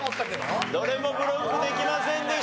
どれもブロックできませんでした。